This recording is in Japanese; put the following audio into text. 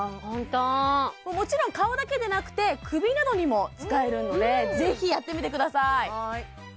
もちろん顔だけでなくて首などにも使えるのでぜひやってみてください